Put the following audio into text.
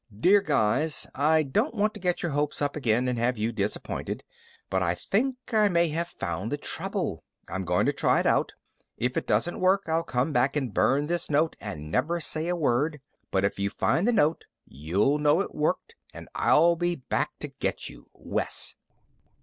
Dear guys I don't want to get your hopes up again and have you disappointed. But I think I may have found the trouble. I'm going to try it out. If it doesn't work, I'll come back and burn this note and never say a word. But if you find the note, you'll know it worked and I'll be back to get you. Wes.